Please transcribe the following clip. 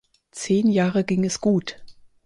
Zehn Jahre ging es gut.